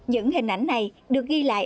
những hình ảnh này được ghi lại